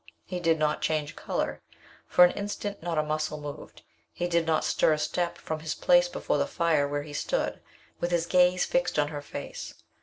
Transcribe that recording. He did not change color. For an instant not a muscle moved. He did not stir a step from his place before the fire, where he stood, with his gaze fixed on her face.